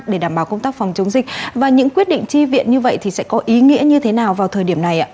để đảm bảo công tác phòng chống dịch và những quyết định tri viện như vậy thì sẽ có ý nghĩa như thế nào vào thời điểm này ạ